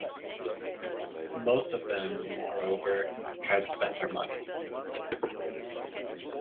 Most of them, moreover, had spent their money.